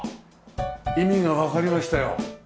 意味がわかりましたよ。